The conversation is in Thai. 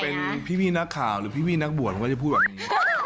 เป็นพี่นักข่าวหรือพี่นักบวชผมก็จะพูดแบบนี้